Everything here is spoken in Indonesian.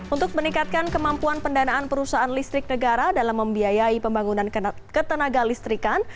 untuk meningkatkan kemampuan pendanaan perusahaan listrik negara dalam membiayai pembangunan ketenaga listrikan